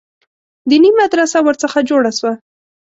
دیني مدرسه ورڅخه جوړه سوه.